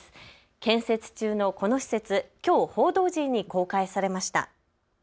建設中のこの施設、きょう報道陣に公開されました。